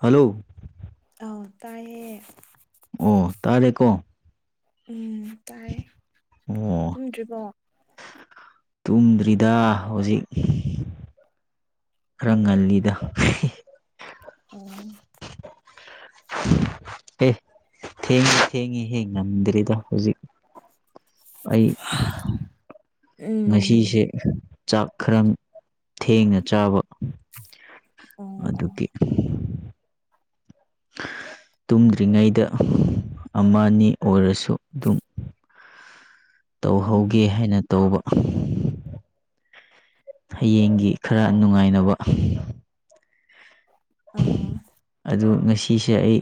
hello ꯑꯥꯎ ꯇꯥꯏꯑꯦ ꯑꯣ ꯇꯥꯔꯦꯀꯣ ꯎꯝ ꯇꯥꯏꯌꯦ ꯑꯣ ꯇꯨꯝꯗ꯭ꯔꯤꯕꯣ ꯇꯨꯝꯗ꯭ꯔꯤꯗ ꯍꯧꯖꯤꯛ ꯈꯔ ꯉꯜꯂꯤꯗ ꯑꯍꯦ ꯑꯣ ꯑꯦ ꯊꯦꯡꯗꯤ ꯊꯦꯡꯉꯦꯍꯦ ꯉꯝꯗ꯭ꯔꯦꯗ ꯍꯧꯖꯤꯛ ꯑꯩ ꯎꯝ ꯉꯁꯤꯁꯦ ꯆꯥꯛ ꯈꯔ ꯊꯦꯡꯅ ꯆꯥꯕ ꯑꯣ ꯑꯣ ꯑꯗꯨꯒꯤ ꯇꯨꯝꯗ꯭ꯔꯤꯉꯩꯗ ꯑꯃ ꯑꯅꯤ ꯑꯣꯏꯔꯁꯨ ꯑꯗꯨꯝ ꯎꯝ ꯇꯧꯍꯧꯒꯦ ꯍꯥꯏꯅ ꯇꯧꯕ ꯍꯌꯦꯡꯒꯤ ꯈꯔ ꯅꯨꯡꯉꯥꯏꯅꯕ ꯑꯥ ꯑꯗꯨ ꯉꯁꯤꯁꯦ ꯑꯩ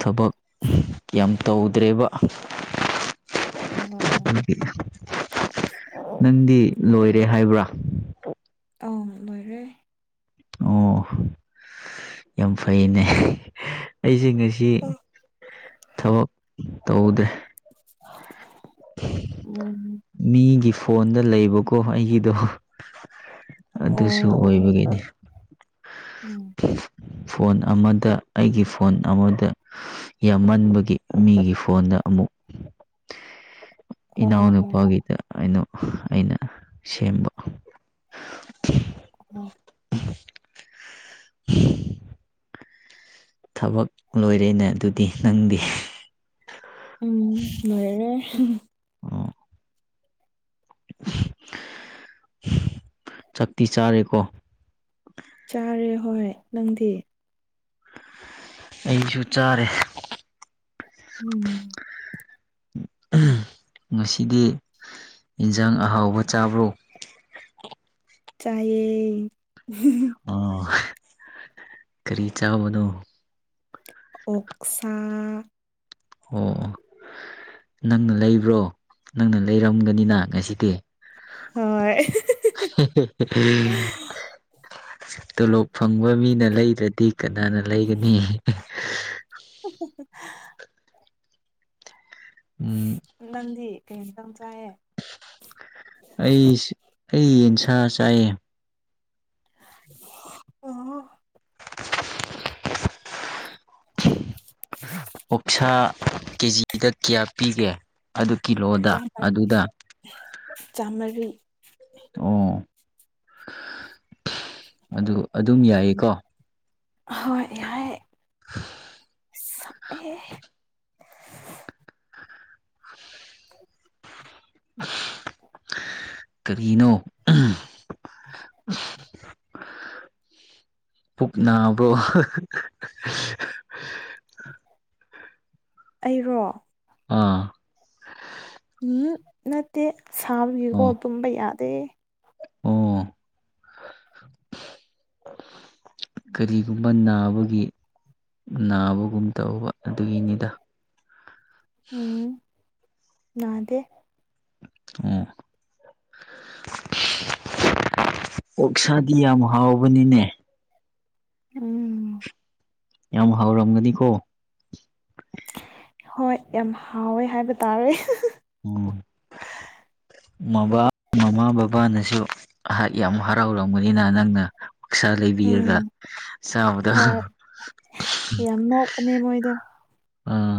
ꯊꯕꯛ [unintelligible] ꯌꯥꯝ ꯇꯧꯗ꯭ꯔꯦꯕ ꯎꯝ ꯑꯣꯝ ꯅꯪꯗꯤ ꯂꯣꯏꯔꯦ ꯍꯥꯏꯕ꯭ꯔꯥ ꯑꯥꯎ ꯂꯣꯏꯔꯦ ꯑꯣ ꯌꯥꯝ ꯐꯩꯅꯦ ꯑꯩꯗꯤ ꯉ ꯁꯤ ꯊꯕꯛ ꯇꯧꯗꯦ ꯎꯝ ꯃꯤꯒꯤ ꯐꯣꯟꯗ ꯂꯩꯕꯀꯣ ꯑꯩꯒꯤꯗꯣ ꯑꯗꯨꯁꯨ ꯑꯣ ꯑꯣ ꯑꯣꯏꯕꯒꯤꯅꯤ ꯎꯝ ꯐꯣꯟ ꯑꯃꯗ ꯑꯩꯒꯤ ꯐꯣꯟ ꯑꯃꯗ ꯌꯥꯝꯃꯟꯕꯒꯤ ꯃꯤꯒꯤ ꯐꯣꯟꯗ ꯑꯃꯨꯛ ꯑꯣ ꯑꯣ ꯏꯅꯥꯎꯅꯨꯄꯥꯒꯤꯗ ꯑꯩꯅ ꯑꯩꯅ ꯁꯦꯝꯕ ꯑꯣ ꯊꯕꯛ ꯂꯣꯏꯔꯦꯅ ꯑꯗꯨꯗꯤ ꯅꯪꯗꯤ ꯎꯝ ꯂ‌ꯣꯏꯔ‌ꯦ ꯆꯛꯇꯤ ꯆꯥꯔꯦꯀꯣ ꯆꯥꯔꯦ ꯍꯣꯏ ꯅꯪꯗꯤ ꯑꯩꯁꯨ ꯆꯥꯔꯦ ꯎꯝ ꯉꯁꯤꯗꯤ ꯏꯟꯖꯥꯡ ꯑꯍꯥꯎꯕ ꯆꯥꯕ꯭ꯔꯣ ꯆꯥꯏꯌꯦ ꯑꯣ ꯀꯔꯤ ꯆꯥꯕꯅꯣ ꯑꯣꯛꯁꯥ ꯑꯣ ꯅꯪꯅ ꯂꯩꯕ꯭ꯔꯣ ꯅꯪꯅ ꯂꯩꯔꯝꯒꯅꯤꯅ ꯉꯁꯤꯗꯤ ꯍꯣꯏ [unintelligible] ꯇꯣꯂꯣꯞ ꯐꯪꯕ ꯃꯤꯅ ꯂꯩꯗ꯭ꯔꯗꯤ ꯀꯅꯥꯅ ꯂꯩꯒꯅꯤ [unintelligible] ꯎꯝ ꯅꯗꯤ ꯀꯩ ꯏꯟꯖꯥꯡ ꯆꯥꯏꯌ‌ꯦ ꯑꯩ ꯑꯩ ꯌꯦꯟꯁꯥ ꯆꯥꯏꯌ‌ꯦ ꯑꯣ [unintelligible] [unintelligible] [unintelligible] ꯑꯣꯛꯁꯥ ꯀꯦꯖꯤꯗ ꯀꯌꯥ ꯄꯤꯒꯦ ꯑꯗꯨ ꯀꯤꯂꯣ [unintelligible] ꯆꯥꯝꯔꯤ ꯑꯣ ꯑꯗꯨ ꯑꯗꯨꯝ ꯌꯥꯏꯌꯦꯀꯣ ꯍꯣꯏ ꯑꯍꯣꯏ ꯏꯁ ꯁꯥꯏꯌꯦ ꯀꯔꯤꯅꯣ ꯄꯨꯛ ꯅꯥꯕ꯭ꯔꯣ ꯑꯩꯔꯣ ꯑꯥ ꯅꯠꯇꯦ ꯁꯥꯕꯒꯤꯀꯣ ꯑꯣ ꯇꯨꯝꯕ ꯌꯥꯗꯦ ꯑꯣ ꯀꯔꯤꯒꯨꯝꯕ ꯅꯥꯕꯒꯤ ꯅꯥꯕꯒꯨꯝ ꯇꯧꯕ ꯑꯗꯨꯒꯤꯅꯤꯗ ꯎꯝ ꯅꯥꯗꯦ ꯑꯥ ꯑꯣꯛꯁꯥꯗꯤ ꯌꯥꯝ ꯍꯥꯎꯕꯅꯤꯅꯦ ꯎꯝ ꯌꯥꯝ ꯍꯥꯎꯔꯝꯒꯅꯤꯀꯣ ꯍꯣꯏ ꯌꯥꯝ ꯍꯥꯎꯋꯦ ꯍꯥꯏꯕ ꯇꯥꯔꯦ ꯎꯝ [unintelligible] ꯃꯃꯥ ꯕꯕꯥꯅꯁꯨ ꯍꯥ ꯌꯥꯝ ꯍꯔꯥꯎꯔꯝꯒꯅꯤꯅ ꯅꯪꯅ ꯑꯣꯛꯁꯥ ꯂꯩꯕꯤꯔꯒ ꯎꯝ ꯆꯥꯕꯗ ꯍꯣꯏ ꯌꯥꯝ ꯅꯣꯛꯞꯄꯅꯦ ꯃꯣꯏꯗ ꯑꯥ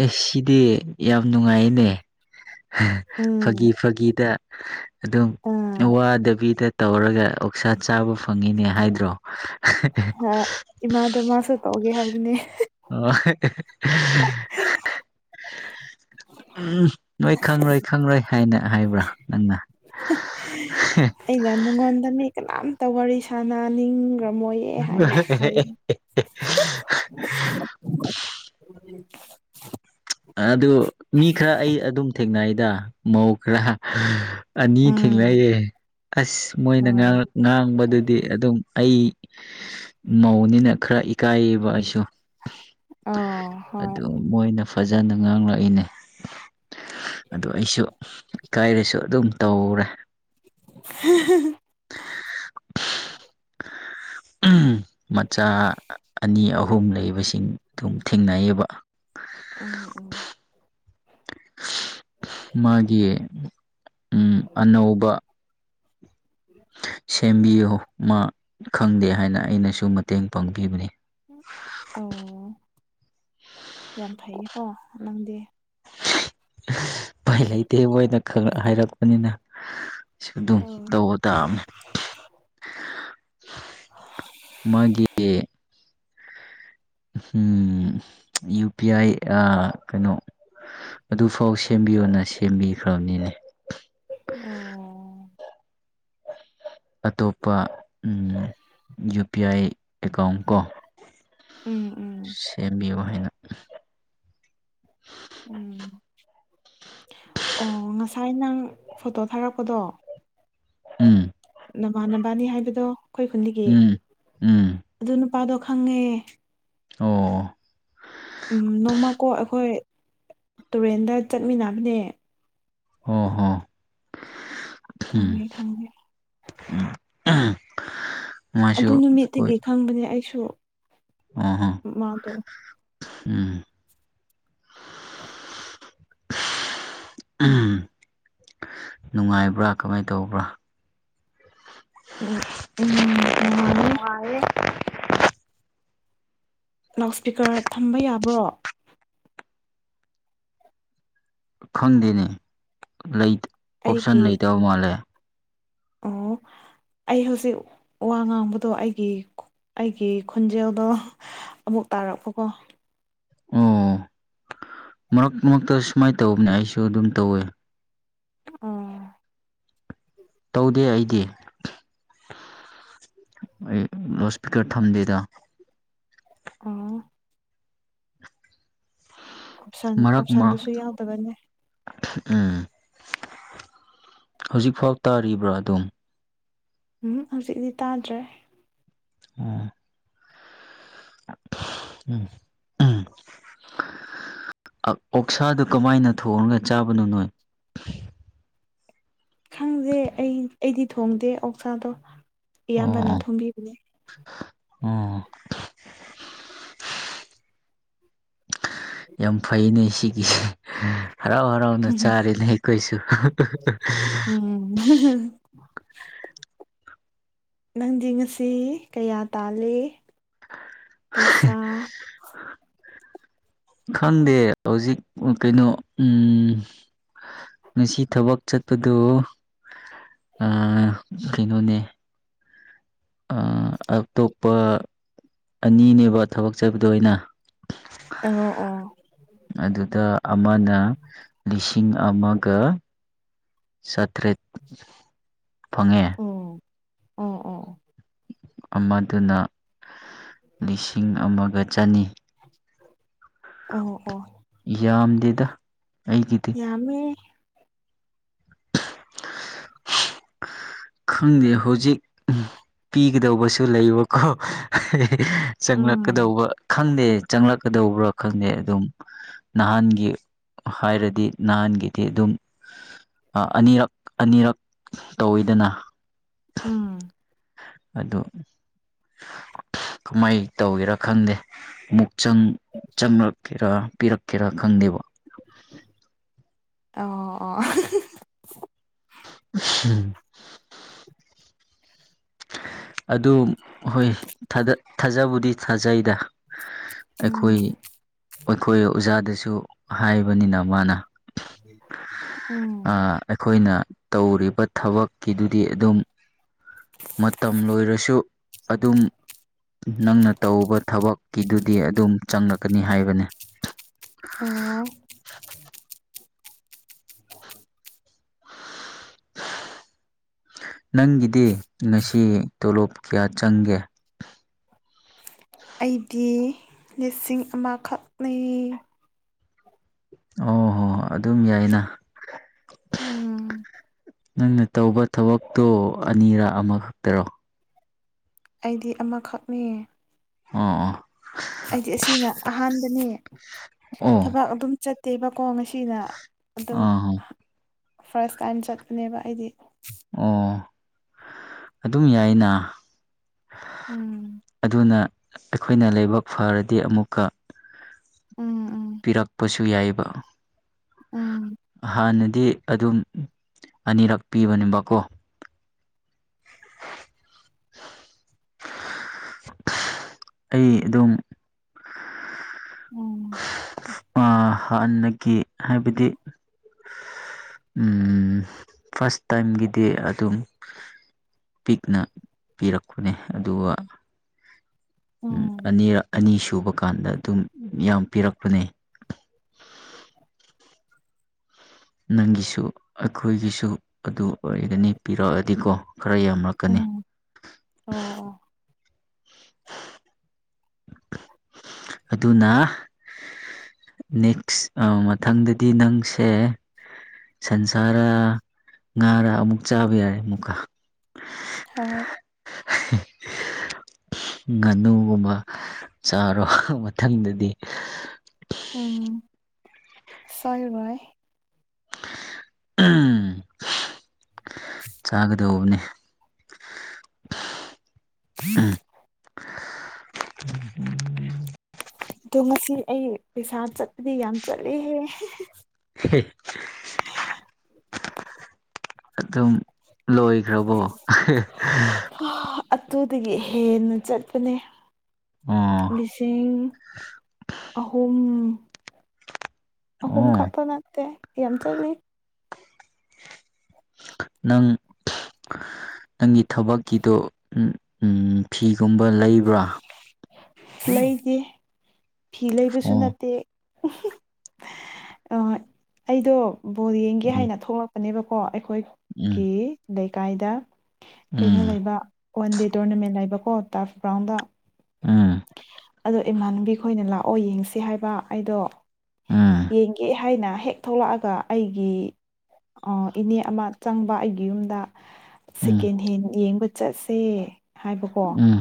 ꯑꯦ ꯁꯤꯗꯤ ꯌꯥꯝ ꯅꯨꯡꯉꯥꯏꯌꯦꯅꯦ ꯐꯥꯒꯤ ꯎꯝ ꯐꯥꯒꯤꯗ ꯑꯗꯨꯝ ꯑꯥ ꯋꯥꯗꯕꯤꯗ ꯇꯧꯔꯒ ꯑꯣꯛꯁꯥ ꯆꯥꯕ ꯐꯪꯉꯤꯅꯦ ꯍꯥꯏꯗ꯭ꯔꯣ ꯍꯣꯏ ꯏꯃꯥꯗꯣ ꯃꯥꯁꯨ ꯇꯧꯒꯦ ꯍꯥꯏꯕꯅꯦ ꯑ ꯎꯝ ꯅꯣꯏ ꯈꯪꯔꯣꯏ ꯈꯪꯔꯣꯏ ꯍꯥꯏꯅ ꯍꯥꯏꯕ꯭ꯔꯥ ꯅꯪꯅ [inaudible] ꯑꯩꯩꯅ ꯅꯨꯡꯉꯣꯟꯗ ꯃꯤ ꯀꯅꯥꯝꯇ ꯋꯥꯔꯤ ꯁꯥꯟꯅꯅꯤꯡꯒ꯭ꯔꯃꯣꯏ ꯑꯦ ꯍꯥꯏ ꯍꯥꯏꯕꯤꯅ [inaudible] ꯑꯗꯨ ꯃꯤ ꯈꯔ ꯑꯩ ꯑꯗꯨꯝ ꯊꯦꯡꯅꯩꯗ ꯃꯧ ꯈꯔ ꯑꯅꯤ ꯎꯝ ꯊꯦꯡꯅꯛꯌꯦ ꯑꯁ ꯃꯣꯏꯅ ꯍꯣꯏ ꯉꯔꯥꯡ ꯉꯥꯡꯕꯗꯨꯗꯤ ꯑꯗꯨꯝ ꯑꯩ ꯃꯧꯅꯤꯅ ꯈꯔ ꯏꯀꯥꯏꯌꯦꯕ ꯑꯩꯁꯨ ꯑꯥ ꯍꯣꯏ ꯑꯗꯨ ꯃꯣꯏꯅ ꯐꯖꯅ ꯉꯥꯡꯂꯛꯏꯅꯦ ꯑꯗꯨ ꯑꯩꯁꯨ ꯏꯀꯥꯏꯔꯁꯨ ꯑꯗꯨꯝ ꯇꯧꯔꯦ [inaudible] ꯎꯝ ꯃꯆꯥ ꯑꯅꯤ ꯑꯍꯨꯝ ꯂꯩꯕꯁꯤꯡ ꯊꯨꯝꯊꯤꯅꯩꯕ ꯎꯝ ꯎꯝ ꯃꯥꯒꯤ ꯑꯅꯧꯕ [unintelligible] ꯁꯦꯝꯕꯤꯌꯨ ꯃꯥ ꯈꯪꯗꯦ ꯍꯥꯏꯅ ꯑꯩꯅꯁꯨ ꯃꯇꯦꯡ ꯄꯥꯡꯕꯤꯕꯅꯤ ꯑꯣ ꯌꯥꯝ ꯐꯩꯌꯦꯀꯣ ꯅꯪꯗꯤ ꯎꯄꯥꯏ ꯂꯩꯇꯦ ꯃꯣꯏꯅ ꯈꯪ ꯍꯥꯏꯔꯛꯄꯅꯤꯅ ꯑꯗꯨꯝ ꯑꯣ ꯇꯧꯕ ꯇꯥꯃꯦ ꯃꯥꯒꯤ ꯍꯨꯝ ꯌꯨ ꯄꯤ ꯑꯥꯏ ꯑ ꯀꯩꯅꯣ ꯑꯗꯨꯐꯥꯎ ꯁꯦꯝꯕꯤꯌꯣꯅ ꯁꯦꯝꯕꯤꯈ꯭ꯔꯕꯅꯤꯅꯦ [inaudible] ꯑꯇꯣꯞꯄ ꯌꯨ ꯄꯤ ꯑꯥꯏ ꯑꯦꯀꯥꯎꯟ ꯀꯣ ꯎꯝ ꯎꯝ ꯁꯦꯝꯕꯤꯌꯨ ꯍꯥꯏꯅ ꯎꯝ ꯑꯣ ꯉꯁꯥꯏ ꯅꯪ ꯐꯣꯇꯣ ꯊꯥꯔꯛꯄꯗꯣ ꯎꯝ ꯅꯃꯥꯟ ꯅꯕꯥꯅꯕꯅꯤ ꯍꯥꯏꯕꯗꯣ ꯑꯩꯈꯣꯏ ꯈꯨꯟꯒꯤ ꯎꯝ ꯎꯝ ꯑꯗꯨ ꯅꯨꯄꯥꯗꯣ ꯈꯪꯉꯦ ꯑꯣ ꯎꯝ ꯅꯣꯡꯃꯀꯣ ꯑꯩꯈꯣꯏ ꯇꯨꯔꯦꯟꯗ ꯆꯠꯃꯤꯟꯅꯕꯅꯦ ꯑꯣ ꯑꯝ ꯈꯪꯉꯦ ꯈꯪꯉꯦ [inaudible] ꯑꯗꯨ ꯀꯣꯏ ꯅꯨꯃꯤꯠꯇꯒꯤ ꯈꯪꯕꯅꯦ ꯑꯩꯁꯨ ꯑꯣꯍꯣ ꯃꯥꯗꯣ ꯎꯝ ꯍ [unintelligible] ꯅꯨꯡꯉꯥꯏꯕ꯭ꯔꯥ ꯀꯃꯥꯏꯅ ꯇꯧꯕ꯭ꯔꯥ ꯎꯝ ꯎꯝ ꯅꯨꯡꯉꯥꯏꯌꯦ ꯂꯥꯎꯠ ꯁ꯭ꯄꯤꯀꯔ ꯊꯝꯕ ꯌꯥꯕ꯭ꯔꯣ ꯈꯪꯗꯦꯅꯦ ꯑꯣꯞꯁꯟ ꯑꯩꯒꯤ ꯂꯩꯇꯕ ꯃꯥꯜꯂꯦ ꯑꯣ ꯑꯩ ꯍꯧꯖꯤꯛ ꯋꯥ ꯉꯥꯡꯕꯗꯣ ꯑꯩꯒꯤ ꯑꯩꯒꯤ ꯈꯟꯖꯦꯜꯗꯣ ꯑꯃꯨꯛ ꯇꯥꯔꯛꯄꯀꯣ ꯑꯣ ꯃꯔꯛ ꯃꯔꯛꯇ ꯁꯨꯃꯥꯏꯅ ꯇꯧꯕꯅꯦ ꯑꯩꯁꯨ ꯑꯗꯨꯝ ꯇꯧꯋꯦ ꯑꯥ ꯇꯧꯗꯦ ꯑꯩꯗꯤ ꯑꯩ ꯂꯥꯎꯠ ꯏꯁꯄꯤꯀꯔ ꯊꯝꯗꯦꯗ ꯑꯣ ꯑꯣꯞꯁꯟ ꯃꯔꯛ ꯃꯥ ꯑꯣꯞꯁꯟꯗꯁꯨ ꯌꯥꯎꯗꯕꯅꯤ ꯎꯝ ꯍꯧꯖꯤꯛ ꯐꯥꯎ ꯇꯥꯔꯤꯕ꯭ꯔꯥ ꯑꯗꯨꯝ ꯍꯨꯝ ꯍꯧꯖꯤꯛꯇꯤ ꯇꯥꯗ꯭ꯔꯦ ꯑꯃ [inaudible] ꯎꯝ [inaudible] ꯑꯣꯛꯁꯥꯗꯨ ꯀꯃꯥꯏꯅ ꯊꯣꯡꯉꯒ ꯆꯥꯕꯅꯣ ꯅꯣꯏ ꯈꯪꯗꯦ ꯑꯩ ꯑꯩꯗꯤ ꯊꯣꯡꯗꯦ ꯑꯣꯛꯁꯥꯗꯣ ꯑꯣ ꯢꯌꯥꯝꯕꯅ ꯊꯣꯡꯕꯤꯕꯅꯦ ꯑꯣ ꯌꯥꯝ ꯐꯩꯅꯦ ꯁꯤꯒꯤꯁꯦ ꯍꯔꯥꯎ ꯍꯔꯥꯎꯅ ꯆꯥꯔꯦꯅꯦ ꯑꯩꯈꯣꯢꯁꯨ ꯎꯝ ꯅꯪꯗꯤ ꯉꯁꯤ ꯀꯌꯥ ꯇꯥꯜꯂꯤ ꯄꯩꯁꯥ [inaudible] ꯈꯪꯗꯦ ꯍꯧꯖꯤꯛ ꯀꯩꯅꯣ ꯎꯝ ꯉꯁꯤ ꯊꯕꯛ ꯆꯠꯄꯗꯨ ꯑ ꯀꯩꯅꯣꯅꯦ ꯑꯇꯣꯞꯄ ꯑꯅꯤꯅꯦꯕ ꯊꯕꯛ ꯆꯠꯕꯗꯣ ꯑꯩꯅ ꯑꯣ ꯑꯣ ꯑꯗꯨꯗ ꯑꯃꯅ ꯂꯤꯁꯤꯡ ꯑꯃꯒ ꯆꯥꯇ꯭ꯔꯦꯠ ꯐꯪ ꯑꯣ ꯑꯣ ꯑꯣ ꯑꯃꯗꯨꯅ ꯂꯤꯁꯤꯡ ꯑꯃꯒ ꯆꯅꯤ ꯑꯣ ꯑꯣ ꯌꯥꯝꯗꯦꯗ ꯑꯩꯒꯤꯗꯤ ꯌꯥꯝꯃꯦ [unintelligible] ꯈꯪꯗꯦ ꯍꯧꯖꯤꯛ ꯄꯤꯒꯗꯧꯕꯁꯨ ꯂꯩꯕꯀꯣ ꯎꯝ ꯆꯪꯂꯛꯀꯗꯧꯕ ꯈꯪꯗꯦ ꯆꯪꯂꯛꯀꯗꯧꯕ꯭ꯔꯥ ꯈꯪꯗꯦ ꯑꯗꯨꯝ ꯅꯍꯥꯟꯒꯤ ꯍꯥꯏꯔꯗꯤ ꯅꯍꯥꯟꯒꯤꯗꯤ ꯑꯗꯨꯝ ꯑꯅꯤꯔꯛ ꯑꯅꯤꯔꯛ ꯇꯧꯋꯤꯗꯅ ꯎꯥ ꯑꯗꯨ ꯀꯃꯥꯏ ꯇꯧꯒꯦꯔꯥ ꯈꯪꯗꯦꯨ ꯆꯪ ꯆꯪꯪꯂꯛꯀꯦꯔꯥ ꯄꯤꯔꯛꯀꯦꯔꯥ ꯈꯪꯗꯦꯕ ꯑꯣ ꯑꯣ ꯎꯝ ꯑꯗꯨ ꯍꯣꯏ ꯊꯥꯖꯕꯨꯗꯤ ꯊꯥꯖꯩꯗ ꯎꯝ ꯑꯩꯈꯣꯏ ꯑꯩꯈꯣꯏ ꯑꯣꯖꯥꯗꯁꯨ ꯍꯥꯏꯕꯅꯤꯅ ꯃꯥꯅ ꯎꯝ ꯑꯩꯈꯣꯏꯅ ꯇꯧꯔꯤꯕ ꯊꯕꯛꯀꯤꯗꯨꯗꯤ ꯑꯗꯨꯝ ꯃꯇꯝ ꯂꯣꯏꯔꯁꯨ ꯑꯗꯨꯝ ꯅꯪꯅ ꯇꯧꯕ ꯊꯕꯛꯀꯤꯗꯨꯗꯤ ꯑꯗꯨꯝ ꯆꯪꯂꯛꯀꯅꯤ ꯍꯥꯏꯕꯅꯤ ꯑꯣ ꯅꯪꯒꯤꯗꯤ ꯉꯁꯤ ꯇꯣꯂꯣꯞ ꯀꯌꯥ ꯆꯪꯒꯦ ꯑꯩꯗꯤ ꯂꯤꯁꯤꯡ ꯑꯃꯈꯛꯅꯤ ꯑꯣ ꯍꯣ ꯍꯣ ꯑꯗꯨꯝ ꯌꯥꯏꯅ ꯎꯝ ꯅꯪꯅ ꯇꯧꯕ ꯊꯕꯛꯇꯣ ꯑꯅꯤꯔꯛ ꯑꯃꯈꯛꯇꯔꯣ ꯑꯩꯗꯤ ꯑꯃꯈꯛꯅꯤꯌꯦ ꯑꯣꯥ ꯑꯥ ꯍꯥꯏꯗꯤ ꯑꯁꯤꯅ ꯑꯍꯥꯟꯕꯅꯦ ꯑꯣ ꯊꯕꯛ ꯑꯗꯨꯝ ꯆꯠꯇꯦꯕꯀꯣ ꯉꯁꯤꯅ ꯑꯗꯨꯝ ꯑꯣ ꯑꯥ ꯐꯥꯔꯁ ꯇꯥꯏꯝ ꯆꯠꯄꯅꯦꯕ ꯑꯩꯗꯤ ꯑꯣ ꯑꯗꯨꯝ ꯌꯥꯏꯅ ꯎꯝ ꯑꯗꯨꯅ ꯑꯩꯈꯣꯏꯅ ꯂꯥꯏꯕꯛ ꯐꯔꯗꯤ ꯑꯃꯨꯛꯀ ꯎꯝ ꯄꯤꯔꯛꯄꯁꯨ ꯌꯥꯏꯕ ꯎꯝ ꯍꯥꯟꯅꯗꯤ ꯑꯗꯨꯝ ꯑꯅꯤꯔꯛ ꯄꯤꯕꯅꯦꯕꯀꯣ ꯑꯩ ꯑꯗꯨꯝ ꯎꯝ ꯍꯥꯟ ꯍꯥꯟꯅꯒꯤ ꯍꯥꯏꯕꯗꯤ ꯎ ꯐꯥꯔꯁ ꯇꯥꯏꯝꯒꯤꯗꯤ ꯑꯗꯨꯝ ꯄꯤꯛꯅ ꯄꯤꯔꯛꯄꯅꯦ ꯑꯗꯨꯒ ꯎꯝ ꯑꯅꯤꯔꯛ ꯑꯅꯤ ꯁꯨꯕ ꯀꯥꯟꯗ ꯑꯗꯨꯝ ꯌꯥꯝ ꯄꯤꯔꯛꯄꯅꯦ ꯅꯪꯒꯤꯁꯨ ꯑꯩꯈꯣꯏꯒꯤꯁꯨ ꯑꯗꯨ ꯑꯣꯏꯒꯅꯤ ꯄꯤꯔꯛꯑꯗꯤꯀꯣ ꯈꯔ ꯌꯥꯝꯂꯛꯀꯅꯤ ꯑꯣ ꯑꯣ ꯑꯗꯨꯅ ꯅꯦꯛꯁ ꯃꯊꯪꯗꯗꯤ ꯅꯪꯁꯦ ꯁꯟꯁꯥꯔꯥ ꯉꯥꯔꯥ ꯑꯃꯨꯛ ꯆꯥꯕ ꯌꯥꯔꯦ ꯑꯃꯨꯛꯀ ꯍꯣꯏ ꯉꯥꯅꯨꯒꯨꯝꯕ ꯆꯥꯔꯣ ꯃꯪ ꯃꯊꯪꯗꯗꯤ ꯎꯝ ꯁꯣꯏ ꯏ ꯆꯥꯒꯗꯧꯕꯅꯤ ꯎ ꯑꯗꯣ ꯉꯁꯤ ꯑꯩ ꯄꯩꯁꯥ ꯆꯠꯄꯗꯤ ꯌꯥꯝ ꯆꯠꯂꯦꯍꯦ [unintelligible] ꯑꯗꯨꯝ ꯂꯣꯏꯈ꯭ꯔꯕꯣ ꯑꯗꯨꯇꯗꯒꯤ ꯍꯦꯟꯅ ꯆꯠꯄꯅꯦ ꯑꯣ ꯂꯤꯁꯤꯡ ꯑꯍꯨꯝ ꯑꯍꯨꯝ ꯑꯣ ꯈꯞꯄ ꯅꯠꯇꯦ ꯌꯥꯝ ꯆꯠꯂꯤ ꯅꯪ ꯅꯪꯒꯤ ꯊꯕꯛꯀꯤꯗꯣ ꯎ ꯐꯤꯒꯨꯝꯕ ꯂꯩꯕ꯭ꯔꯥ ꯂꯩꯇꯦ ꯐꯤ ꯂꯩꯕꯁꯨ ꯑꯣ ꯅꯠꯇꯦ ꯑꯩꯗꯣ ꯕꯣꯜ ꯌꯦꯡꯒꯦ ꯎꯝ ꯍꯥꯏꯅ ꯊꯣꯛꯂꯛꯄ ꯅꯦꯕꯀꯣ ꯎꯝ ꯑꯩꯈꯣꯏꯒꯤ ꯂꯩꯀꯥꯏꯗ ꯀꯩꯅꯣ ꯎꯝ ꯂꯩꯕ ꯋꯥꯟ ꯗꯦ ꯇꯣꯔꯅꯥꯃꯦꯟ ꯂꯩꯕꯀꯣ ꯇꯔꯐ ꯒ꯭ꯔꯥꯎꯟꯗ ꯑꯥ ꯑꯗꯣ ꯏꯃꯥꯟꯅꯕꯤ ꯈꯣꯏꯅ ꯂꯥꯛꯑꯣ ꯌꯦꯡꯁꯤ ꯍꯥꯏꯕ ꯑꯩꯗꯣ ꯎꯝ ꯌꯦꯡꯒꯦ ꯊꯥꯏꯅ ꯍꯦꯛ ꯊꯣꯛꯂꯛꯑꯒ ꯑꯩꯒꯤ ꯑ‌ꯣ ꯏꯅꯦ ꯑꯃ ꯆꯪꯕ ꯑꯩꯒꯤ ꯌꯨꯝꯗ ꯎꯝ ꯁꯦꯀꯦꯟ ꯍꯦꯟ ꯌꯦꯡꯕ ꯆꯠꯁꯦ ꯍꯥꯏꯕꯀꯣ ꯎꯝ